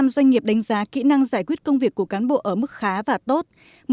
một mươi doanh nghiệp đánh giá kỹ năng giải quyết công việc của cán bộ ở mức khá và tốt